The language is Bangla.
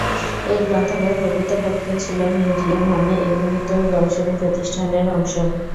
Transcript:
এই গ্রন্থাগার প্রকৃতপক্ষে ছিল মিউজিয়াম নামে এক বৃহত্তর গবেষণা প্রতিষ্ঠানের অংশ।